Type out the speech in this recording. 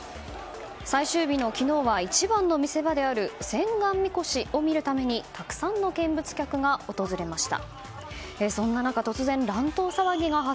最終日の昨日は一番の見せ場である千貫神輿を見るためにたくさんの見物客が訪れました。